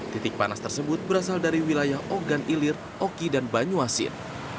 titik panas tersebut berasal dari wilayah ogan ilir oki dan banyuasin